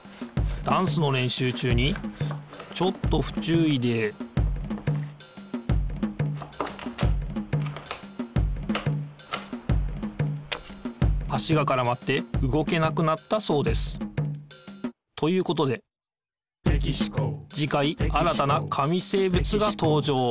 ダンスのれんしゅう中にちょっとふちゅういで足がからまって動けなくなったそうです。ということでじかい新たな紙生物がとうじょう。